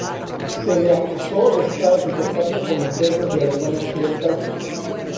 Se le acusó de estar en contacto con Los Verdes de la Alemania Occidental.